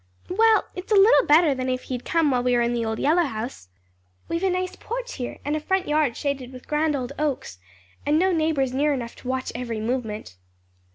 "Well, it's a little better than if he had come while we were in the old yellow house. We've a nice porch here, and a front yard shaded with grand old oaks; and no neighbors near enough to watch every movement."